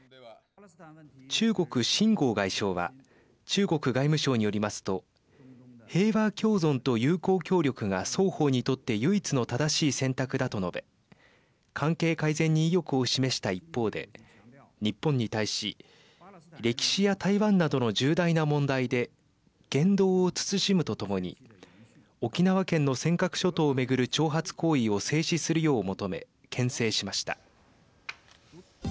中国、秦剛外相は中国外務省によりますと平和共存と友好協力が双方にとって唯一の正しい選択だと述べ関係改善に意欲を示した一方で日本に対し、歴史や台湾などの重大な問題で言動を慎むとともに沖縄県の尖閣諸島を巡る挑発行為を制止するよう求めけん制しました。